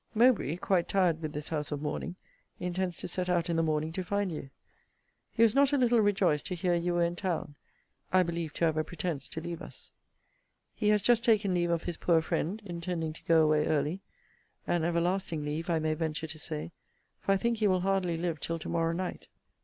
Mowbray, quite tired with this house of mourning, intends to set out in the morning to find you. He was not a little rejoiced to hear you were in town; I believe to have a pretence to leave us. He has just taken leave of his poor friend, intending to go away early: an everlasting leave, I may venture to say; for I think he will hardly live till to morrow night.